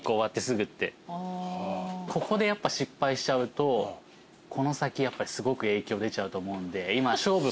ここでやっぱ失敗しちゃうとこの先やっぱりすごく影響出ちゃうと思うんで。